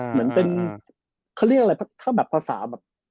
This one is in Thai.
เหมือนเป็นเขาเรียกอะไรถ้าแบบภาษาแบบ